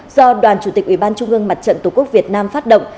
do đoàn chủ tịch ủy ban trung ương mặt trận tổ quốc việt nam phát động